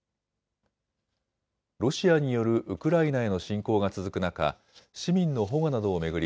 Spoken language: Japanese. ロシアによるウクライナへの侵攻が続く中、市民の保護などを巡り